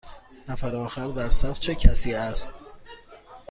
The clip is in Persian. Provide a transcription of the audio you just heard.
نفر آخر در صف چه کسی است؟